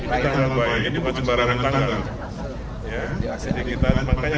hal yang terjadi sekarang ini kita pasti semua akan memimpin bahwa ini karena allah